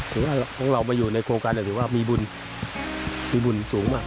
ถือว่าของเรามาอยู่ในโครงการถือว่ามีบุญมีบุญสูงมาก